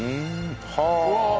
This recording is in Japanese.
はあ！